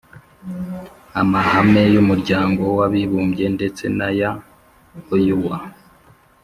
amahame y'umuryango w'abibumbye ndetse n'aya oua,